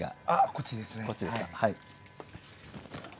こっちですか。